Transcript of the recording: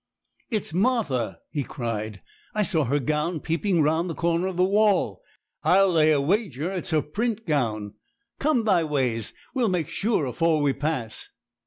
'It's Martha!' he cried; 'I saw her gown peeping round the corner of the wall. I'll lay a wager it's her print gown. Come thy ways; we'll make sure afore we pass.'